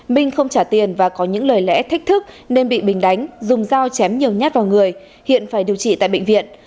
minh không trả tiền và có những lời lẽ thách thức nên bị bình đánh dùng dao chém nhiều nhát vào người hiện phải điều trị tại bệnh viện